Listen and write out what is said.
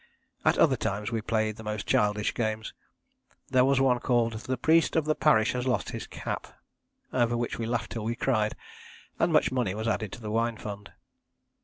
At other times we played the most childish games there was one called 'The Priest of the Parish has lost his Cap,' over which we laughed till we cried, and much money was added to the wine fund.